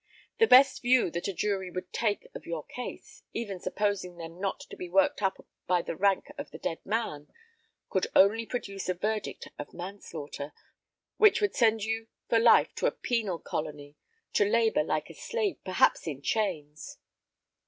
The best view that a jury would take of your case, even supposing them not to be worked upon by the rank of the dead man, could only produce a verdict of manslaughter, which would send you for life to a penal colony, to labour like a slave, perhaps in chains."